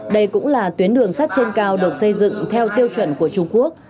đây cũng là tuyến đường sắt trên cao được xây dựng theo tiêu chuẩn của trung quốc